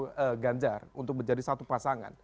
atau gajar untuk menjadi satu pasangan